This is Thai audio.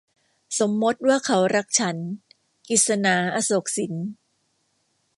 สมมติว่าเขารักฉัน - กฤษณา อโศกสิน